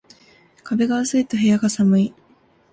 壁が薄いと部屋が寒い